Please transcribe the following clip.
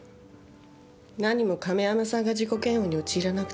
何も亀山さんが自己嫌悪に陥らなくても。